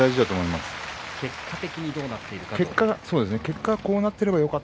結果的にどうなっているか。